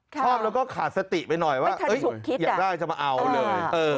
ชอบแล้วก็ขาดสติไปหน่อยว่าอยากได้จะมาเอาเลย